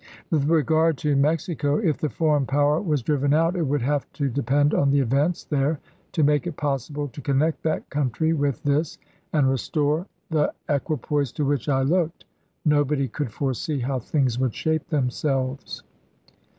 With regard to Mexico, if the foreign power was driven out, it would have to depend on the events there to make it possible to connect that country with this and restore the BLAIR'S MEXICAN PROJECT 105 Blair, Report. MS. equipoise to which I looked ; nobody could foresee chap. v. how things would shape themselves.